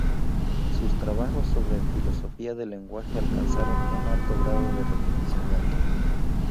Sus trabajos sobre filosofía del lenguaje alcanzaron un alto grado de reconocimiento.